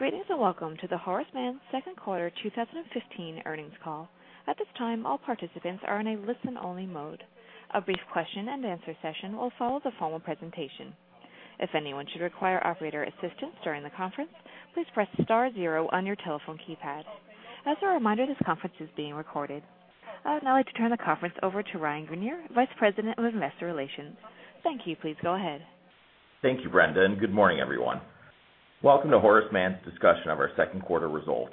Greetings and welcome to the Horace Mann second quarter 2015 earnings call. At this time, all participants are in a listen-only mode. A brief question and answer session will follow the formal presentation. If anyone should require operator assistance during the conference, please press star zero on your telephone keypad. As a reminder, this conference is being recorded. I would now like to turn the conference over to Ryan Greenier, Vice President of Investor Relations. Thank you. Please go ahead. Thank you, Brenda. Good morning, everyone. Welcome to Horace Mann's discussion of our second quarter results.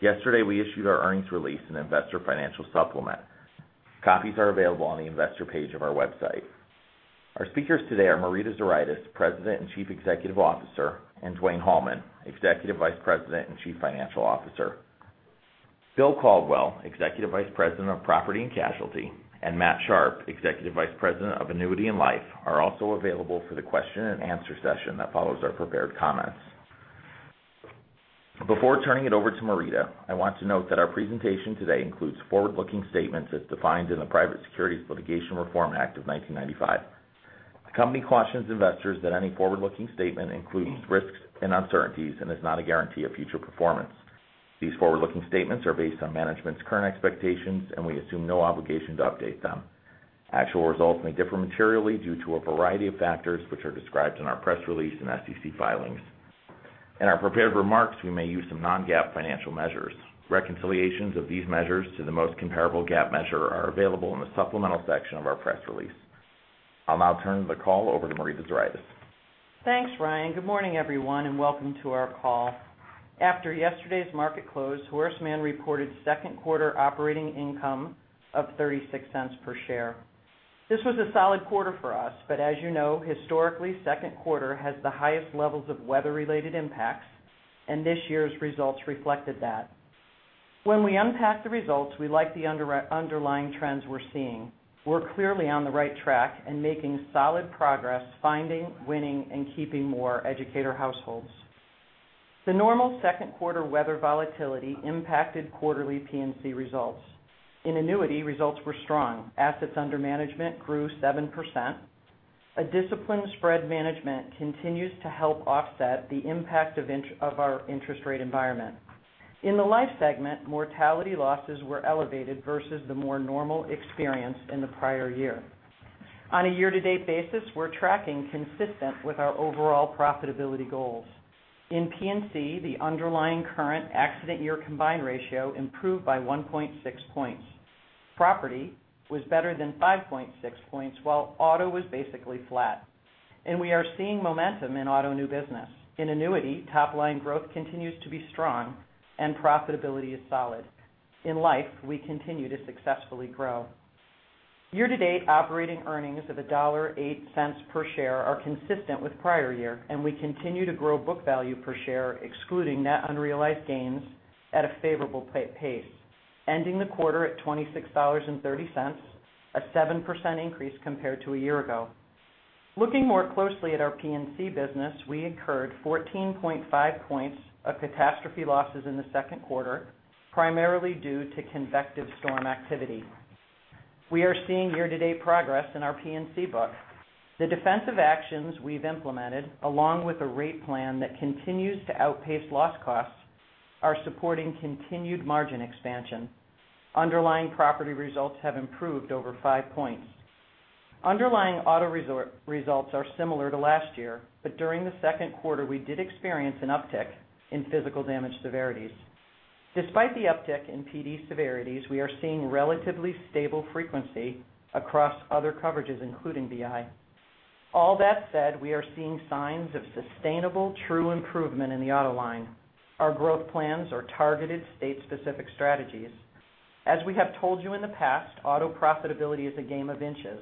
Yesterday, we issued our earnings release and investor financial supplement. Copies are available on the investor page of our website. Our speakers today are Marita Zuraitis, President and Chief Executive Officer, Dwayne Hallman, Executive Vice President and Chief Financial Officer. Bill Caldwell, Executive Vice President of Property and Casualty, Matt Sharpe, Executive Vice President of Annuity and Life, are also available for the question and answer session that follows our prepared comments. Before turning it over to Marita, I want to note that our presentation today includes forward-looking statements as defined in the Private Securities Litigation Reform Act of 1995. These forward-looking statements are based on management's current expectations. We assume no obligation to update them. Actual results may differ materially due to a variety of factors, which are described in our press release and SEC filings. In our prepared remarks, we may use some non-GAAP financial measures. Reconciliations of these measures to the most comparable GAAP measure are available in the supplemental section of our press release. I'll now turn the call over to Marita Zuraitis. Thanks, Ryan. Good morning, everyone. Welcome to our call. After yesterday's market close, Horace Mann reported second quarter operating income of $0.36 per share. This was a solid quarter for us, but as you know, historically, second quarter has the highest levels of weather-related impacts. This year's results reflected that. When we unpack the results, we like the underlying trends we're seeing. We're clearly on the right track and making solid progress finding, winning, and keeping more Educator households. The normal second quarter weather volatility impacted quarterly P&C results. In Annuity, results were strong. Assets under management grew 7%. A disciplined spread management continues to help offset the impact of our interest rate environment. In the Life segment, mortality losses were elevated versus the more normal experience in the prior year. On a year-to-date basis, we're tracking consistent with our overall profitability goals. In P&C, the underlying current accident year combined ratio improved by 1.6 points. Property was better than 5.6 points, while auto was basically flat. We are seeing momentum in auto new business. In Annuity, top-line growth continues to be strong and profitability is solid. In Life, we continue to successfully grow. Year-to-date operating earnings of $1.08 per share are consistent with prior year, and we continue to grow book value per share, excluding net unrealized gains at a favorable pace, ending the quarter at $26.30, a 7% increase compared to a year ago. Looking more closely at our P&C business, we incurred 14.5 points of catastrophe losses in the second quarter, primarily due to convective storm activity. We are seeing year-to-date progress in our P&C book. The defensive actions we've implemented, along with a rate plan that continues to outpace loss costs, are supporting continued margin expansion. Underlying property results have improved over five points. Underlying auto results are similar to last year, but during the second quarter, we did experience an uptick in physical damage severities. Despite the uptick in PD severities, we are seeing relatively stable frequency across other coverages, including BI. All that said, we are seeing signs of sustainable, true improvement in the auto line. Our growth plans are targeted state-specific strategies. As we have told you in the past, auto profitability is a game of inches,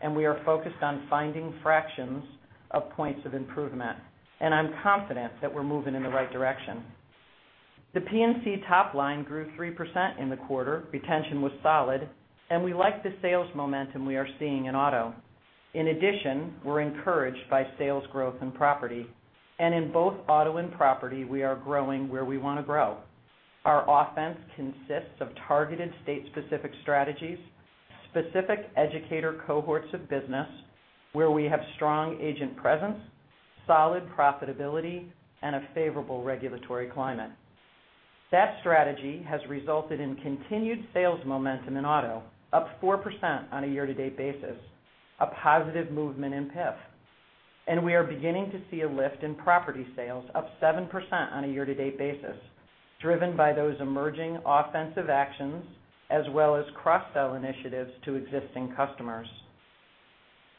and we are focused on finding fractions of points of improvement. I'm confident that we're moving in the right direction. The P&C top line grew 3% in the quarter, retention was solid. We like the sales momentum we are seeing in auto. In addition, we're encouraged by sales growth in property. In both auto and property, we are growing where we want to grow. Our offense consists of targeted state-specific strategies, specific Educator cohorts of business where we have strong agent presence, solid profitability, and a favorable regulatory climate. That strategy has resulted in continued sales momentum in auto, up 4% on a year-to-date basis, a positive movement in PIF. We are beginning to see a lift in property sales, up 7% on a year-to-date basis, driven by those emerging offensive actions as well as cross-sell initiatives to existing customers.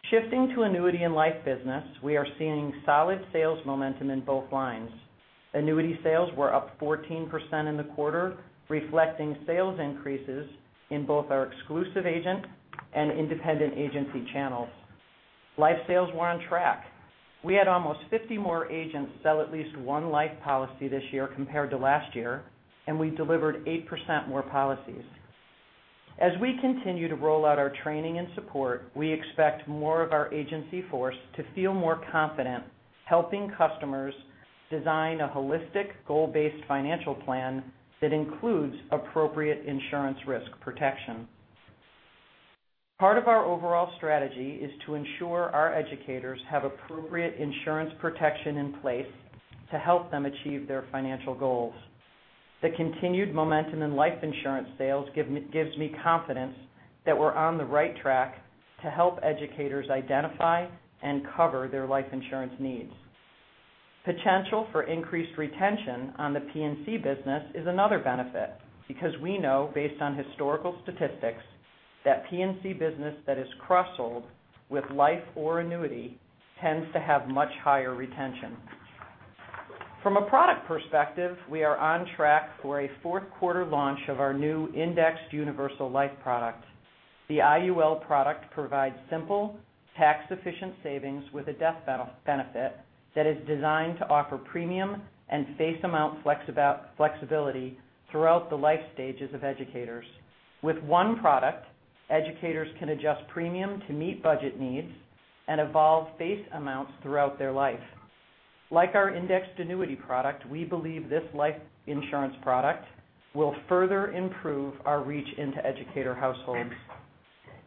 Shifting to Annuity and Life business, we are seeing solid sales momentum in both lines. Annuity sales were up 14% in the quarter, reflecting sales increases in both our exclusive agent and independent agency channels. Life sales were on track. We had almost 50 more agents sell at least one Life policy this year compared to last year. We delivered 8% more policies. As we continue to roll out our training and support, we expect more of our agency force to feel more confident helping customers design a holistic, goal-based financial plan that includes appropriate insurance risk protection. Part of our overall strategy is to ensure our educators have appropriate insurance protection in place to help them achieve their financial goals. The continued momentum in life insurance sales gives me confidence that we're on the right track to help educators identify and cover their life insurance needs. Potential for increased retention on the P&C business is another benefit because we know based on historical statistics, that P&C business that is cross-sold with life or annuity tends to have much higher retention. From a product perspective, we are on track for a fourth quarter launch of our new indexed universal life product. The IUL product provides simple tax-efficient savings with a death benefit that is designed to offer premium and face amount flexibility throughout the life stages of educators. With one product, educators can adjust premium to meet budget needs and evolve face amounts throughout their life. Like our indexed annuity product, we believe this life insurance product will further improve our reach into educator households.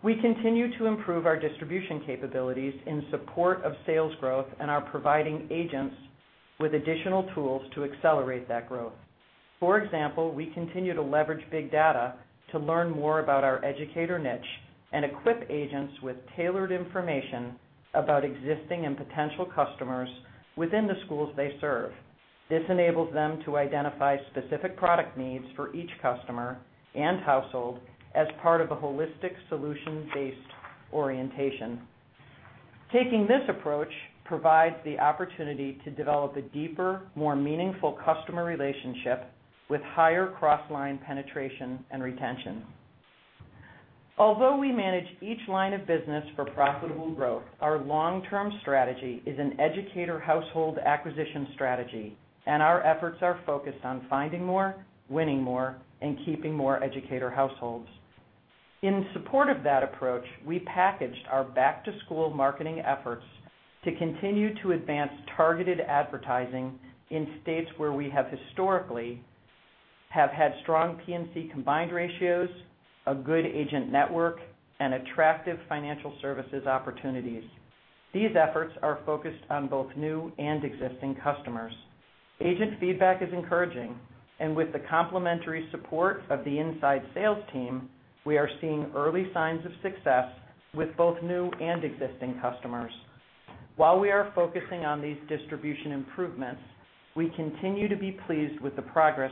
We continue to improve our distribution capabilities in support of sales growth and are providing agents with additional tools to accelerate that growth. For example, we continue to leverage big data to learn more about our educator niche and equip agents with tailored information about existing and potential customers within the schools they serve. This enables them to identify specific product needs for each customer and household as part of a holistic solution-based orientation. Taking this approach provides the opportunity to develop a deeper, more meaningful customer relationship with higher cross-line penetration and retention. Although we manage each line of business for profitable growth, our long-term strategy is an educator household acquisition strategy, and our efforts are focused on finding more, winning more, and keeping more educator households. In support of that approach, we packaged our back-to-school marketing efforts to continue to advance targeted advertising in states where we have historically have had strong P&C combined ratios, a good agent network, and attractive financial services opportunities. These efforts are focused on both new and existing customers. Agent feedback is encouraging, and with the complimentary support of the inside sales team, we are seeing early signs of success with both new and existing customers. While we are focusing on these distribution improvements, we continue to be pleased with the progress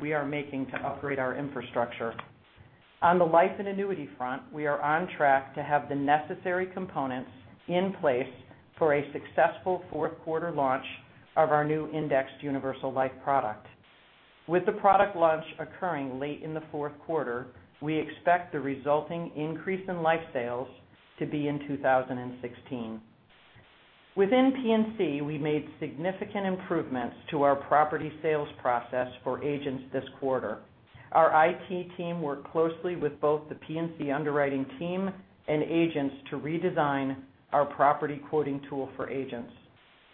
we are making to upgrade our infrastructure. On the life and annuity front, we are on track to have the necessary components in place for a successful fourth-quarter launch of our new indexed universal life product. With the product launch occurring late in the fourth quarter, we expect the resulting increase in life sales to be in 2016. Within P&C, we made significant improvements to our property sales process for agents this quarter. Our IT team worked closely with both the P&C underwriting team and agents to redesign our property quoting tool for agents.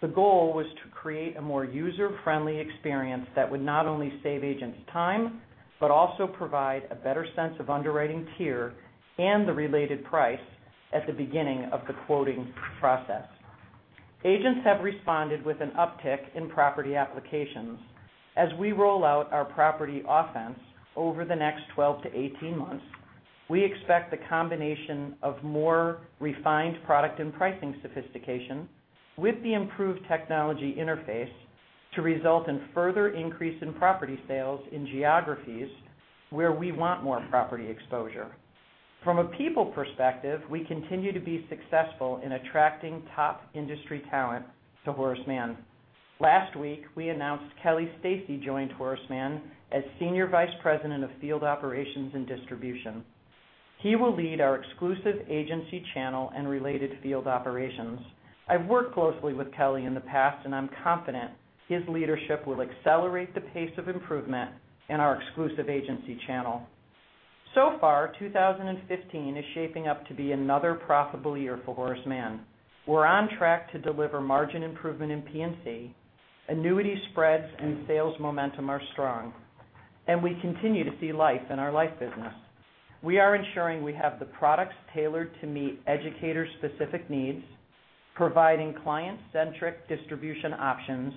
The goal was to create a more user-friendly experience that would not only save agents time, but also provide a better sense of underwriting tier and the related price at the beginning of the quoting process. Agents have responded with an uptick in property applications. As we roll out our property offense over the next 12 to 18 months, we expect the combination of more refined product and pricing sophistication with the improved technology interface to result in further increase in property sales in geographies where we want more property exposure. From a people perspective, we continue to be successful in attracting top industry talent to Horace Mann. Last week, we announced Kelly Stacey joined Horace Mann as Senior Vice President of Field Operations and Distribution. He will lead our exclusive agency channel and related field operations. I've worked closely with Kelly in the past, and I'm confident his leadership will accelerate the pace of improvement in our exclusive agency channel. So far, 2015 is shaping up to be another profitable year for Horace Mann. We're on track to deliver margin improvement in P&C. Annuity spreads and sales momentum are strong, and we continue to see life in our life business. We are ensuring we have the products tailored to meet educators' specific needs, providing client-centric distribution options,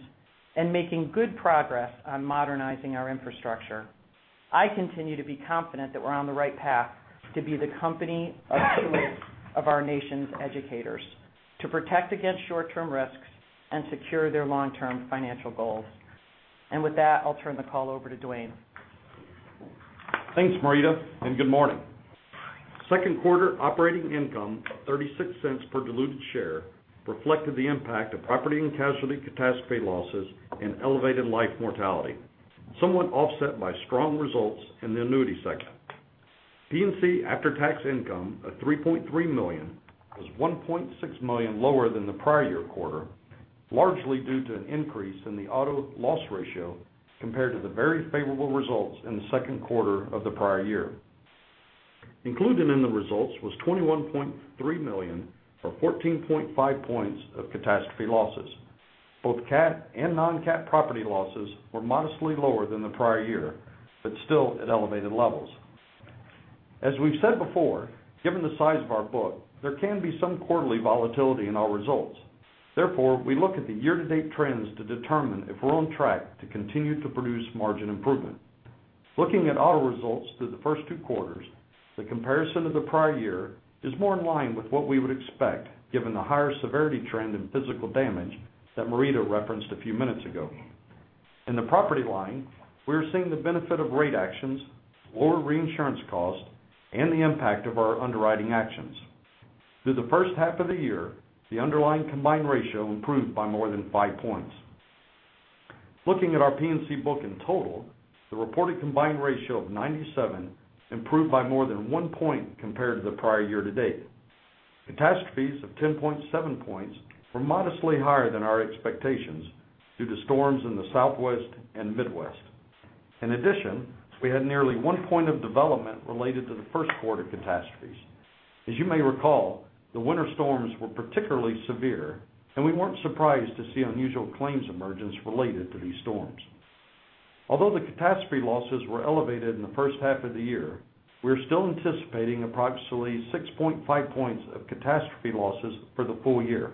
and making good progress on modernizing our infrastructure. I continue to be confident that we're on the right path to be the company of choice of our nation's educators to protect against short-term risks and secure their long-term financial goals. With that, I'll turn the call over to Dwayne. Thanks, Marita, and good morning. Second quarter operating income of $0.36 per diluted share reflected the impact of property and casualty catastrophe losses and elevated life mortality, somewhat offset by strong results in the annuity segment. P&C after-tax income of $3.3 million was $1.6 million lower than the prior year quarter, largely due to an increase in the auto loss ratio compared to the very favorable results in the second quarter of the prior year. Included in the results was $21.3 million, or 14.5 points of catastrophe losses. Both cat and non-cat property losses were modestly lower than the prior year, but still at elevated levels. As we've said before, given the size of our book, there can be some quarterly volatility in our results. Therefore, we look at the year-to-date trends to determine if we're on track to continue to produce margin improvement. Looking at auto results through the first two quarters, the comparison to the prior year is more in line with what we would expect, given the higher severity trend in physical damage that Marita referenced a few minutes ago. In the property line, we are seeing the benefit of rate actions, lower reinsurance costs, and the impact of our underwriting actions. Through the first half of the year, the underlying combined ratio improved by more than five points. Looking at our P&C book in total, the reported combined ratio of 97 improved by more than one point compared to the prior year to date. Catastrophes of 10.7 points were modestly higher than our expectations due to storms in the Southwest and Midwest. In addition, we had nearly one point of development related to the first quarter catastrophes. As you may recall, the winter storms were particularly severe, and we weren't surprised to see unusual claims emergence related to these storms. Although the catastrophe losses were elevated in the first half of the year, we are still anticipating approximately 6.5 points of catastrophe losses for the full year.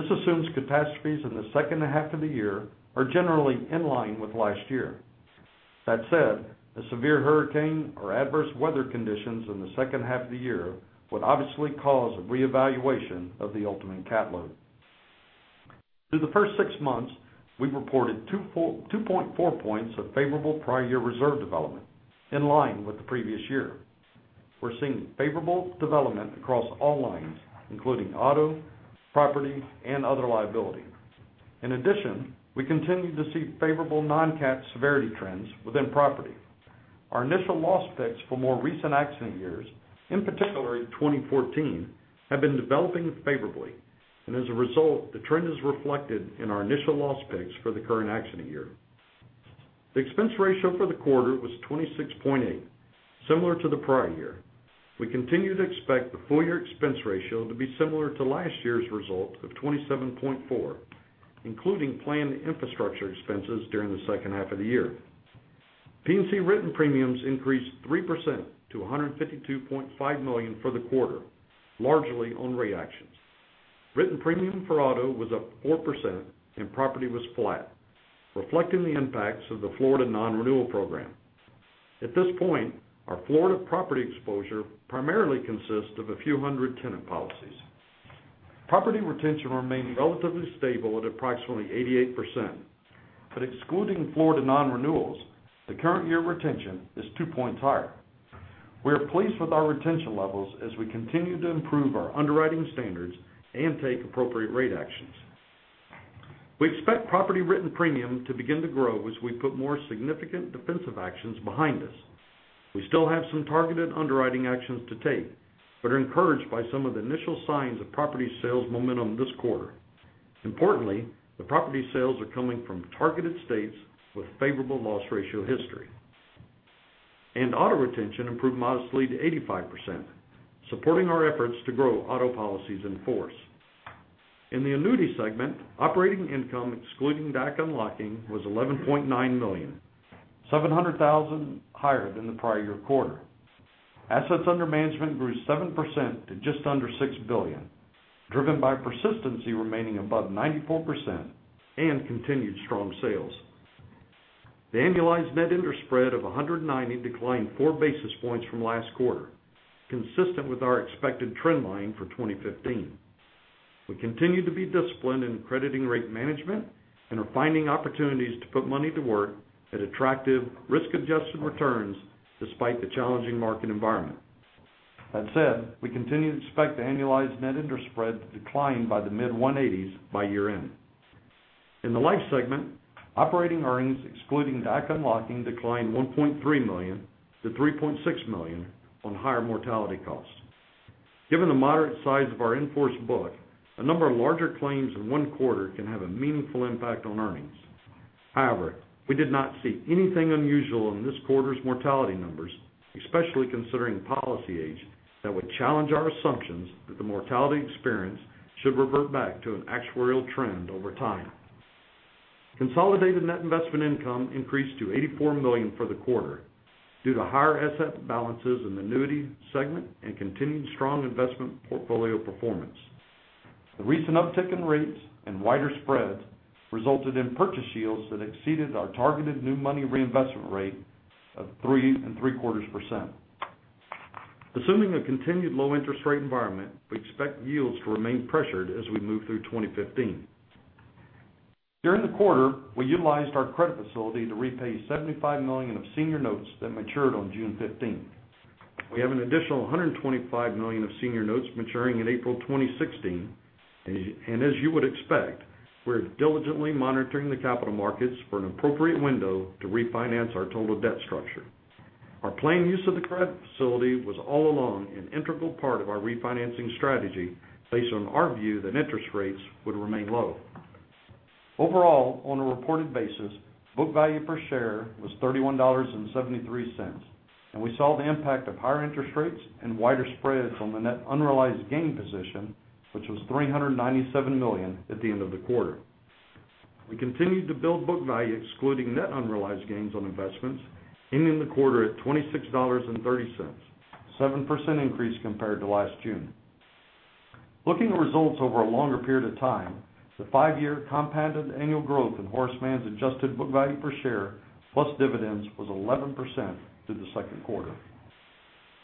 This assumes catastrophes in the second half of the year are generally in line with last year. That said, a severe hurricane or adverse weather conditions in the second half of the year would obviously cause a reevaluation of the ultimate cat load. Through the first six months, we've reported 2.4 points of favorable prior year reserve development, in line with the previous year. We're seeing favorable development across all lines, including auto, property, and other liability. In addition, we continue to see favorable non-cat severity trends within property. Our initial loss picks for more recent accident years, in particular 2014, have been developing favorably. As a result, the trend is reflected in our initial loss picks for the current accident year. The expense ratio for the quarter was 26.8, similar to the prior year. We continue to expect the full year expense ratio to be similar to last year's result of 27.4, including planned infrastructure expenses during the second half of the year. P&C written premiums increased 3% to $152.5 million for the quarter, largely on rate actions. Written premium for auto was up 4% and property was flat, reflecting the impacts of the Florida non-renewal program. At this point, our Florida property exposure primarily consists of a few hundred tenant policies. Property retention remained relatively stable at approximately 88%. Excluding Florida non-renewals, the current year retention is two points higher. We are pleased with our retention levels as we continue to improve our underwriting standards and take appropriate rate actions. We expect property written premium to begin to grow as we put more significant defensive actions behind us. We still have some targeted underwriting actions to take, but are encouraged by some of the initial signs of property sales momentum this quarter. Importantly, the property sales are coming from targeted states with favorable loss ratio history. Auto retention improved modestly to 85%, supporting our efforts to grow auto policies in force. In the annuity segment, operating income excluding DAC unlocking was $11.9 million, $700,000 higher than the prior year quarter. Assets under management grew 7% to just under $6 billion, driven by persistency remaining above 94% and continued strong sales. The annualized net interest spread of 190 declined four basis points from last quarter, consistent with our expected trend line for 2015. We continue to be disciplined in crediting rate management and are finding opportunities to put money to work at attractive risk-adjusted returns despite the challenging market environment. That said, we continue to expect the annualized net interest spread to decline by the mid-180s by year-end. In the life segment, operating earnings excluding DAC unlocking declined $1.3 million to $3.6 million on higher mortality costs. Given the moderate size of our in-force book, a number of larger claims in one quarter can have a meaningful impact on earnings. However, we did not see anything unusual in this quarter's mortality numbers, especially considering policy age, that would challenge our assumptions that the mortality experience should revert back to an actuarial trend over time. Consolidated net investment income increased to $84 million for the quarter due to higher asset balances in the annuity segment and continued strong investment portfolio performance. The recent uptick in rates and wider spreads resulted in purchase yields that exceeded our targeted new money reinvestment rate of 3.75%. Assuming a continued low interest rate environment, we expect yields to remain pressured as we move through 2015. During the quarter, we utilized our credit facility to repay $75 million of senior notes that matured on June 15th. As you would expect, we're diligently monitoring the capital markets for an appropriate window to refinance our total debt structure. Our planned use of the credit facility was all along an integral part of our refinancing strategy based on our view that interest rates would remain low. Overall, on a reported basis, book value per share was $31.73. We saw the impact of higher interest rates and wider spreads on the net unrealized gain position, which was $397 million at the end of the quarter. We continued to build book value, excluding net unrealized gains on investments, ending the quarter at $26.30, a 7% increase compared to last June. Looking at results over a longer period of time, the five-year compounded annual growth in Horace Mann's adjusted book value per share, plus dividends, was 11% through the second quarter.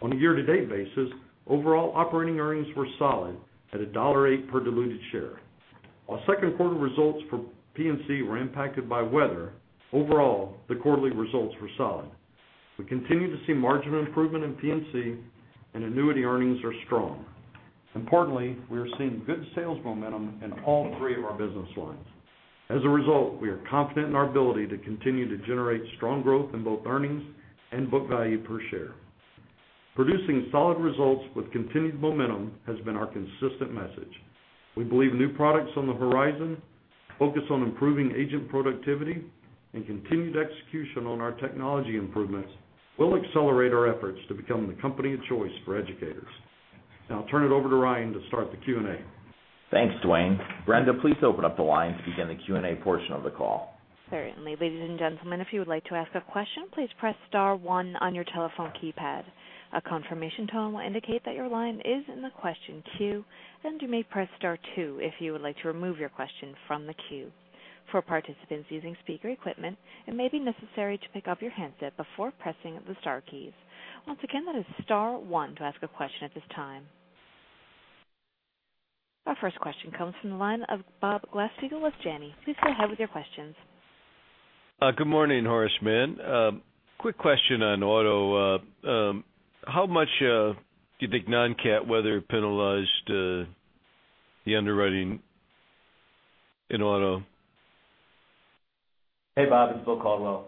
On a year-to-date basis, overall operating earnings were solid at $1.08 per diluted share. While second quarter results for P&C were impacted by weather, overall, the quarterly results were solid. We continue to see marginal improvement in P&C, and annuity earnings are strong. Importantly, we are seeing good sales momentum in all three of our business lines. As a result, we are confident in our ability to continue to generate strong growth in both earnings and book value per share. Producing solid results with continued momentum has been our consistent message. We believe new products on the horizon, focus on improving agent productivity, and continued execution on our technology improvements will accelerate our efforts to become the company of choice for educators. Now I'll turn it over to Ryan to start the Q&A. Thanks, Dwayne. Brenda, please open up the line to begin the Q&A portion of the call. Certainly. Ladies and gentlemen, if you would like to ask a question, please press star one on your telephone keypad. A confirmation tone will indicate that your line is in the question queue, and you may press star two if you would like to remove your question from the queue. For participants using speaker equipment, it may be necessary to pick up your handset before pressing the star keys. Once again, that is star one to ask a question at this time. Our first question comes from the line of Bob Glasspiegel with Janney. Please go ahead with your questions. Good morning, Horace Mann. Quick question on auto. How much do you think non-cat weather penalized the underwriting in auto? Hey, Bob. It's William Caldwell.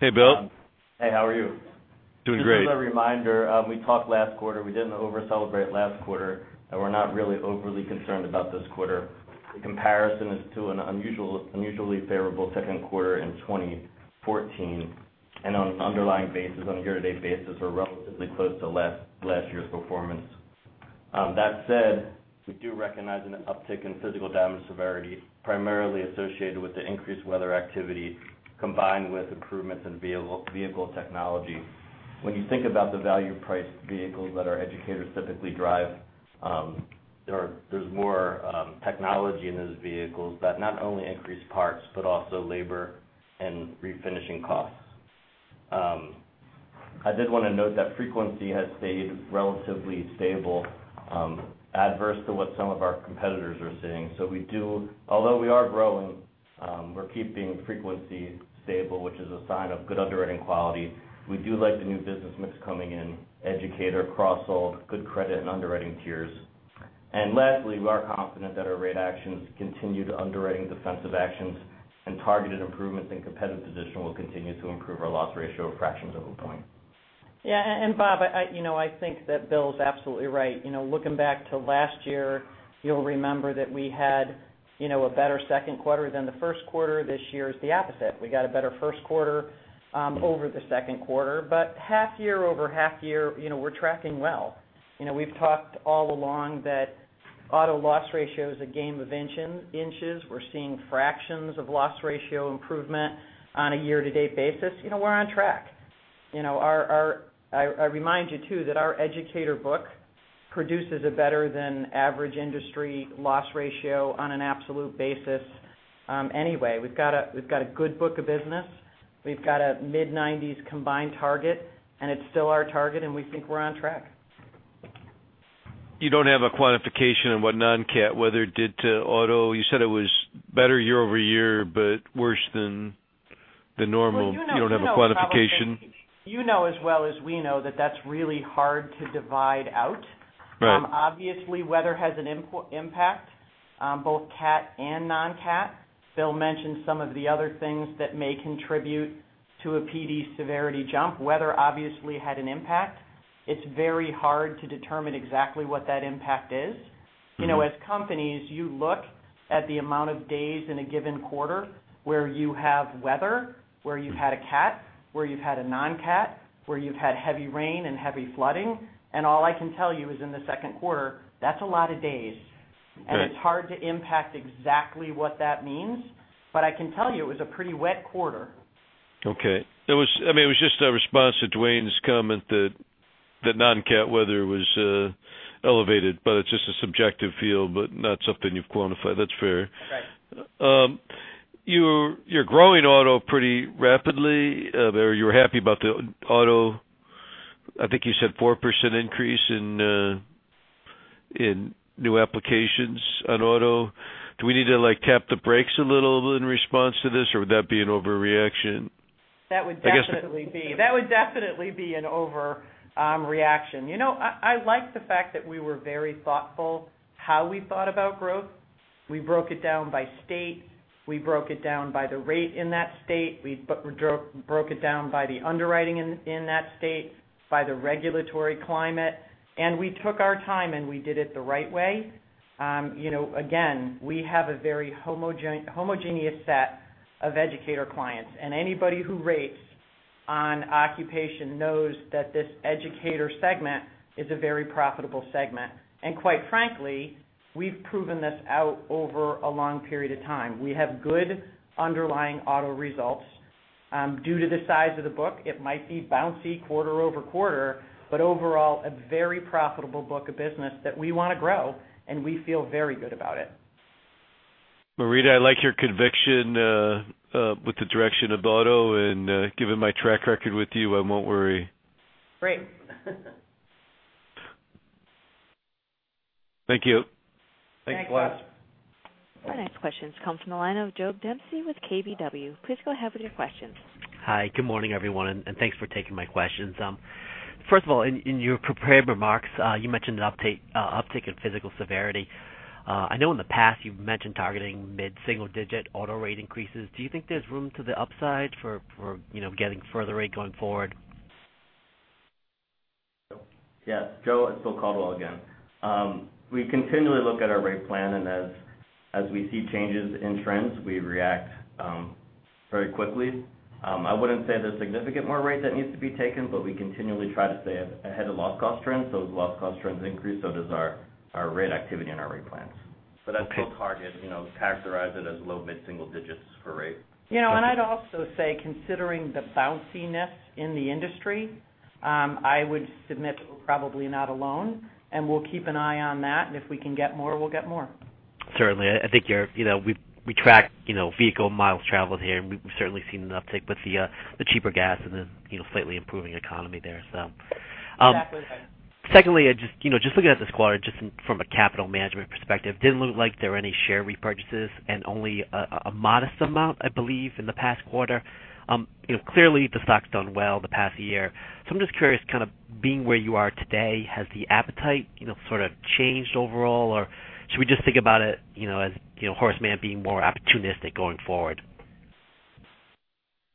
Hey, Bill. Hey, how are you? Doing great. Just as a reminder, we talked last quarter, we didn't over celebrate last quarter. We're not really overly concerned about this quarter. The comparison is to an unusually favorable second quarter in 2014. On an underlying basis, on a year-to-date basis, we're relatively close to last year's performance. That said, we do recognize an uptick in physical damage severity, primarily associated with the increased weather activity, combined with improvements in vehicle technology. When you think about the value-priced vehicles that our educators typically drive, there's more technology in those vehicles that not only increase parts, also labor and refinishing costs. I did want to note that frequency has stayed relatively stable, adverse to what some of our competitors are seeing. Although we are growing, we're keeping frequency stable, which is a sign of good underwriting quality. We do like the new business mix coming in, educator, cross-sold, good credit, and underwriting tiers. Lastly, we are confident that our rate actions, continued underwriting defensive actions, and targeted improvements in competitive position will continue to improve our loss ratio fractions over point. Bob, I think that Bill's absolutely right. Looking back to last year, you'll remember that we had a better second quarter than the first quarter. This year is the opposite. We got a better first quarter over the second quarter. Half year over half year, we're tracking well. We've talked all along that auto loss ratio is a game of inches. We're seeing fractions of loss ratio improvement on a year-to-date basis. We're on track. I remind you, too, that our educator book produces a better than average industry loss ratio on an absolute basis anyway. We've got a good book of business. We've got a mid-nineties combined target. It's still our target, and we think we're on track. You don't have a quantification on what non-cat weather did to auto. You said it was better year-over-year, but worse than the normal. Well, you know as well. You don't have a quantification. You know as well as we know that that's really hard to divide out. Right. Obviously, weather has an impact on both cat and non-cat. Bill mentioned some of the other things that may contribute to a PD severity jump. Weather obviously had an impact. It's very hard to determine exactly what that impact is. As companies, you look at the amount of days in a given quarter where you have weather, where you've had a cat, where you've had a non-cat, where you've had heavy rain and heavy flooding, and all I can tell you is in the second quarter, that's a lot of days. Right. It's hard to impact exactly what that means, but I can tell you it was a pretty wet quarter. Okay. It was just a response to Dwayne's comment that non-cat weather was elevated, but it's just a subjective feel, not something you've quantified. That's fair. Right. You're growing auto pretty rapidly, you're happy about the auto, I think you said 4% increase in new applications on auto. Do we need to cap the brakes a little in response to this, would that be an overreaction? That would definitely be an overreaction. I like the fact that we were very thoughtful how we thought about growth. We broke it down by state. We broke it down by the rate in that state. We broke it down by the underwriting in that state, by the regulatory climate, and we took our time, and we did it the right way. Again, we have a very homogeneous set of educator clients. Anybody who rates on occupation knows that this educator segment is a very profitable segment. Quite frankly, we've proven this out over a long period of time. We have good underlying auto results. Due to the size of the book, it might be bouncy quarter-over-quarter, but overall, a very profitable book of business that we want to grow, and we feel very good about it. Marita, I like your conviction with the direction of auto, and given my track record with you, I won't worry. Great. Thank you. Thanks. Thank you. Our next questions come from the line of Meyer Shields with KBW. Please go ahead with your questions. Hi, good morning, everyone, and thanks for taking my questions. First of all, in your prepared remarks, you mentioned an uptick in physical severity. I know in the past you've mentioned targeting mid-single digit auto rate increases. Do you think there's room to the upside for getting further rate going forward? Yes. Meyer, it's William Caldwell again. We continually look at our rate plan, and as we see changes in trends, we react very quickly. I wouldn't say there's significant more rate that needs to be taken, but we continually try to stay ahead of loss cost trends. As loss cost trends increase, so does our rate activity and our rate plans. Okay. I'd still target, characterize it as low mid-single digits for rate. I'd also say considering the bounciness in the industry, I would submit we're probably not alone, and we'll keep an eye on that, and if we can get more, we'll get more. Certainly. I think we track vehicle miles traveled here, and we've certainly seen an uptick with the cheaper gas and the slightly improving economy there, so. Exactly. Secondly, just looking at this quarter, just from a capital management perspective, didn't look like there were any share repurchases, and only a modest amount, I believe, in the past quarter. Clearly, the stock's done well the past year. I'm just curious, kind of being where you are today, has the appetite sort of changed overall, or should we just think about it as Horace Mann being more opportunistic going forward?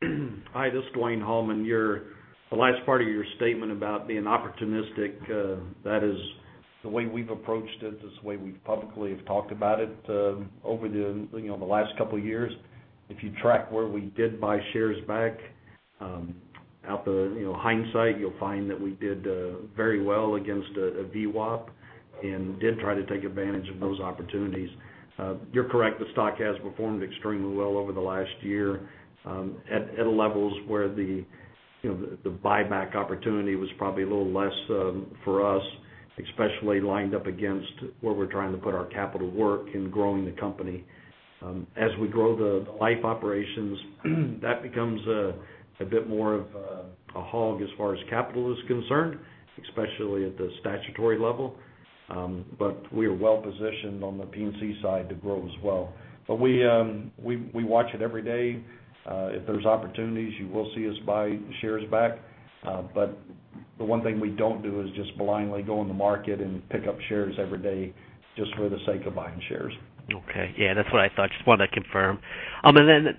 Hi, this is Dwayne Hallman. The last part of your statement about being opportunistic, that is the way we've approached it. That's the way we've publicly have talked about it over the last couple of years. If you track where we did buy shares back, hindsight, you'll find that we did very well against a VWAP and did try to take advantage of those opportunities. You're correct, the stock has performed extremely well over the last year, at levels where the buyback opportunity was probably a little less for us, especially lined up against where we're trying to put our capital work in growing the company. As we grow the life operations, that becomes a bit more of a hog as far as capital is concerned, especially at the statutory level. We are well-positioned on the P&C side to grow as well. We watch it every day. If there's opportunities, you will see us buy shares back. The one thing we don't do is just blindly go in the market and pick up shares every day just for the sake of buying shares. Okay. Yeah, that's what I thought. Just wanted to confirm. Then,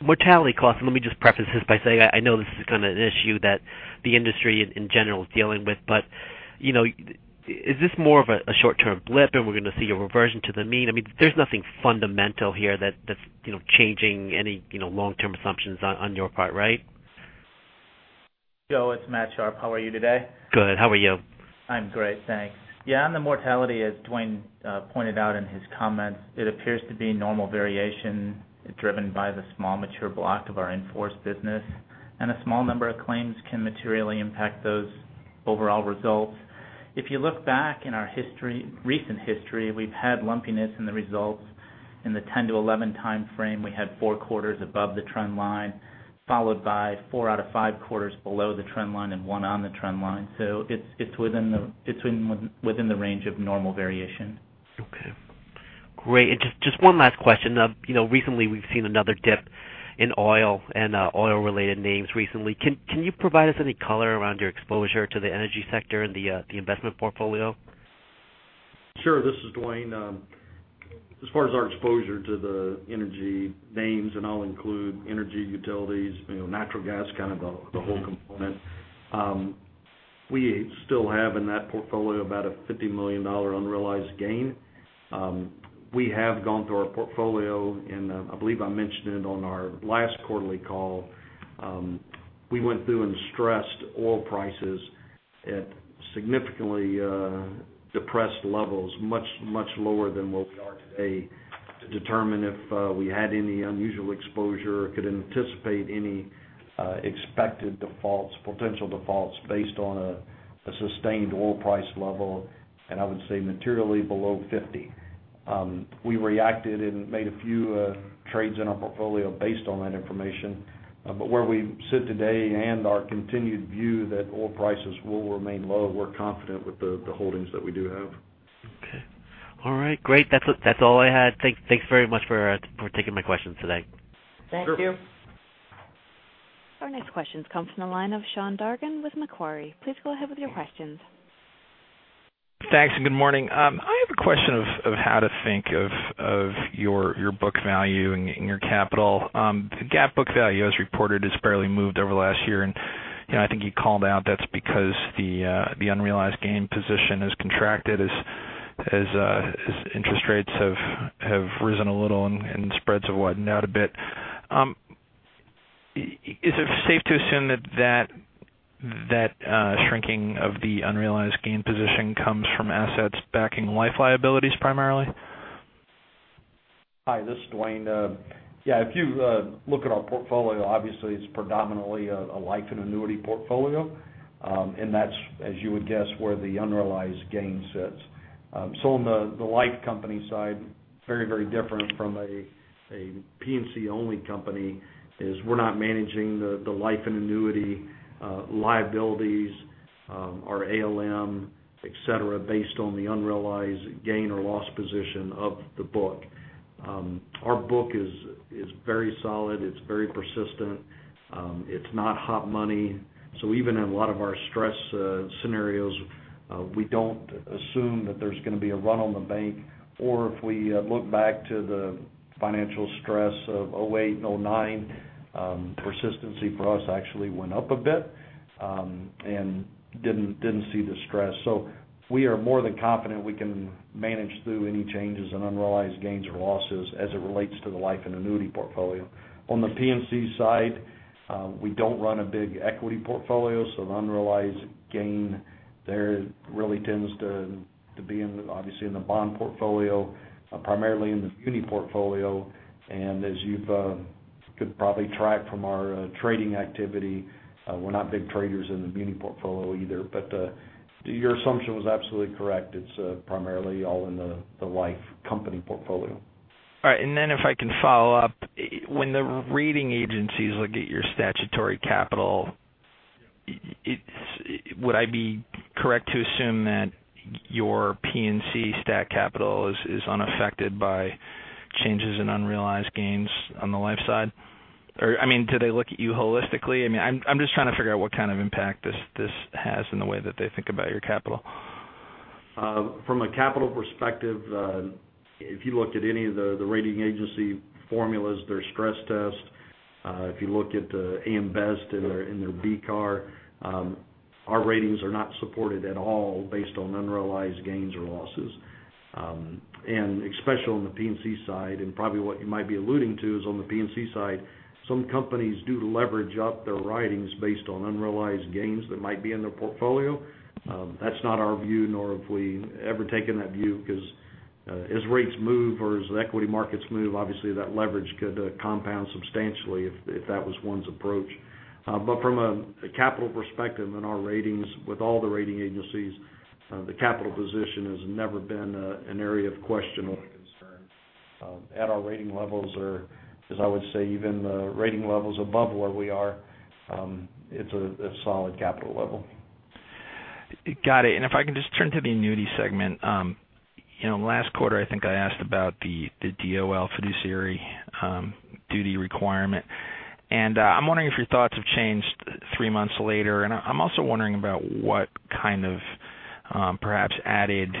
mortality cost, let me just preface this by saying I know this is kind of an issue that the industry in general is dealing with, is this more of a short-term blip and we're going to see a reversion to the mean? There's nothing fundamental here that's changing any long-term assumptions on your part, right? Job, it's Matthew Sharpe. How are you today? Good. How are you? I'm great, thanks. On the mortality, as Dwayne pointed out in his comments, it appears to be normal variation driven by the small mature block of our in-force business, and a small number of claims can materially impact those overall results. If you look back in our recent history, we've had lumpiness in the results in the 10 to 11 timeframe. We had four quarters above the trend line, followed by four out of five quarters below the trend line, and one on the trend line. It's within the range of normal variation. Okay. Great. Just one last question. Recently, we've seen another dip in oil and oil-related names recently. Can you provide us any color around your exposure to the energy sector in the investment portfolio? Sure. This is Dwayne. As far as our exposure to the energy names, I'll include energy utilities, natural gas, kind of the whole component. We still have in that portfolio about a $50 million unrealized gain. We have gone through our portfolio and I believe I mentioned it on our last quarterly call. We went through and stressed oil prices at significantly depressed levels, much, much lower than where we are today, to determine if we had any unusual exposure or could anticipate any expected defaults, potential defaults based on a sustained oil price level, and I would say materially below 50. We reacted and made a few trades in our portfolio based on that information. Where we sit today and our continued view that oil prices will remain low, we're confident with the holdings that we do have. Okay. All right. Great. That's all I had. Thanks very much for taking my questions today. Thank you. Sure. Our next questions come from the line of Sean Dargan with Macquarie. Please go ahead with your questions. Thanks, good morning. I have a question of how to think of your book value and your capital. The GAAP book value as reported has barely moved over the last year. I think you called out that's because the unrealized gain position has contracted as interest rates have risen a little and spreads have widened out a bit. Is it safe to assume that that shrinking of the unrealized gain position comes from assets backing life liabilities primarily? Hi, this is Dwayne. Yeah, if you look at our portfolio, obviously it's predominantly a life and annuity portfolio. That's, as you would guess, where the unrealized gain sits. On the life company side, very different from a P&C-only company is we're not managing the life and annuity liabilities, our ALM, et cetera, based on the unrealized gain or loss position of the book. Our book is very solid, it's very persistent. It's not hot money. Even in a lot of our stress scenarios, we don't assume that there's going to be a run on the bank. If we look back to the financial stress of 2008 and 2009, persistency for us actually went up a bit, and didn't see the stress. We are more than confident we can manage through any changes in unrealized gains or losses as it relates to the life and annuity portfolio. On the P&C side, we don't run a big equity portfolio, the unrealized gain there really tends to be obviously in the bond portfolio, primarily in the muni portfolio. As you could probably track from our trading activity, we're not big traders in the muni portfolio either. Your assumption was absolutely correct. It's primarily all in the life company portfolio. All right. If I can follow up. When the rating agencies look at your statutory capital, would I be correct to assume that your P&C stat capital is unaffected by changes in unrealized gains on the life side? Do they look at you holistically? I'm just trying to figure out what kind of impact this has in the way that they think about your capital. From a capital perspective, if you looked at any of the rating agency formulas, their stress test, if you look at AM Best in their BCAR, our ratings are not supported at all based on unrealized gains or losses. Especially on the P&C side, and probably what you might be alluding to is on the P&C side, some companies do leverage up their writings based on unrealized gains that might be in their portfolio. That's not our view, nor have we ever taken that view, because as rates move or as equity markets move, obviously that leverage could compound substantially if that was one's approach. From a capital perspective and our ratings with all the rating agencies, the capital position has never been an area of question or concern. At our rating levels or, as I would say, even the rating levels above where we are, it's a solid capital level. Got it. If I can just turn to the annuity segment. Last quarter, I think I asked about the DOL fiduciary duty requirement. I am wondering if your thoughts have changed three months later. I am also wondering about what kind of perhaps added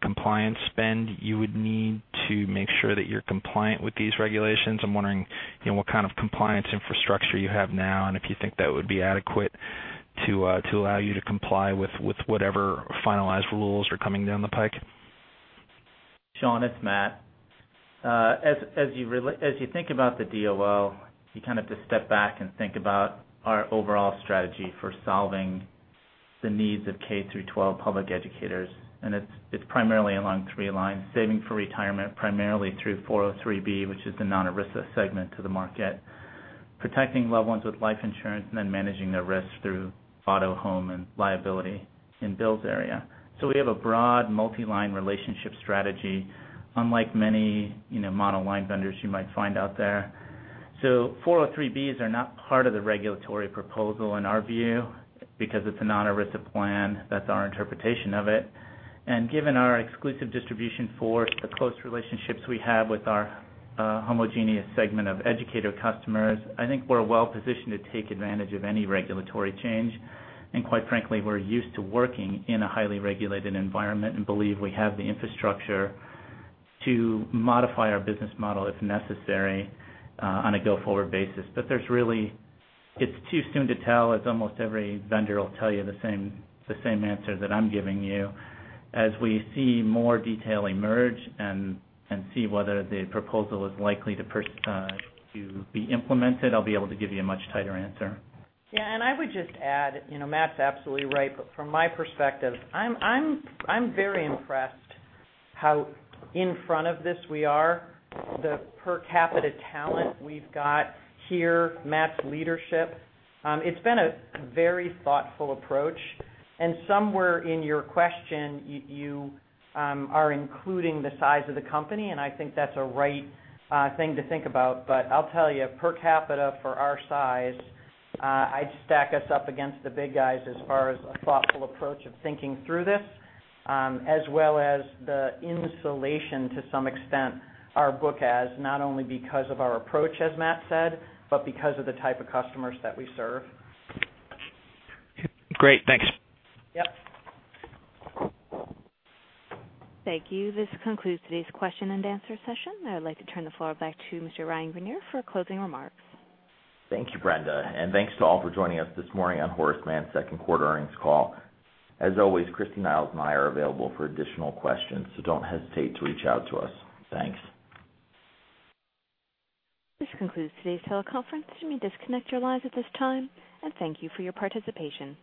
compliance spend you would need to make sure that you are compliant with these regulations. I am wondering what kind of compliance infrastructure you have now, and if you think that would be adequate to allow you to comply with whatever finalized rules are coming down the pike. Sean, it's Matt. As you think about the DOL, you kind of have to step back and think about our overall strategy for solving the needs of K through 12 public educators. It's primarily along three lines: saving for retirement, primarily through 403(b), which is the non-ERISA segment to the market. Protecting loved ones with life insurance, and then managing their risk through auto, home, and liability in Bill's area. We have a broad multi-line relationship strategy, unlike many model line vendors you might find out there. 403(b)s are not part of the regulatory proposal in our view, because it's a non-ERISA plan. That's our interpretation of it. Given our exclusive distribution force, the close relationships we have with our homogeneous segment of educator customers, I think we are well-positioned to take advantage of any regulatory change. Quite frankly, we are used to working in a highly regulated environment and believe we have the infrastructure to modify our business model if necessary, on a go-forward basis. It's too soon to tell. Almost every vendor will tell you the same answer that I am giving you. As we see more detail emerge and see whether the proposal is likely to be implemented, I will be able to give you a much tighter answer. I would just add, Matt's absolutely right, from my perspective, I am very impressed how in front of this we are. The per capita talent we have got here, Matt's leadership. It has been a very thoughtful approach. Somewhere in your question, you are including the size of the company, and I think that's a right thing to think about. I will tell you, per capita for our size, I would stack us up against the big guys as far as a thoughtful approach of thinking through this, as well as the insulation, to some extent, our book has. Not only because of our approach, as Matt said, but because of the type of customers that we serve. Great. Thanks. Yep. Thank you. This concludes today's question and answer session. I'd like to turn the floor back to Mr. Ryan Greenier for closing remarks. Thank you, Brenda. Thanks to all for joining us this morning on Horace Mann's second quarter earnings call. As always, Christy Niles and I are available for additional questions. Don't hesitate to reach out to us. Thanks. This concludes today's teleconference. You may disconnect your lines at this time. Thank you for your participation.